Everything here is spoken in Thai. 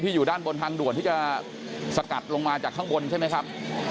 อยู่ด้านบนทางด่วนที่จะสกัดลงมาจากข้างบนใช่ไหมครับ